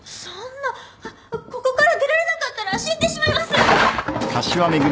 そんなここから出られなかったら死んでしまいます！